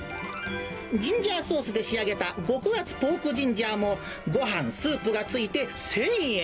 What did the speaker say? ジンジャーソースで仕上げた極厚ポークジンジャーも、ごはん、スープが付いて１０００円。